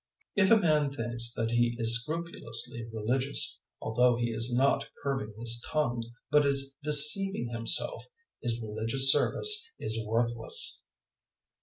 001:026 If a man thinks that he is scrupulously religious, although he is not curbing his tongue but is deceiving himself, his religious service is worthless.